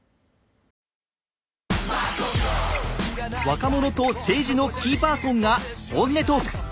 若者と政治のキーパーソンが本音トーク。